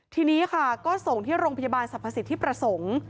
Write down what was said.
ทีนี้ค่ะก็ส่งที่โรงพยาบาลสรรพสิทธิประสงค์